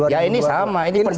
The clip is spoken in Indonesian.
ya ini sama ini pendudukan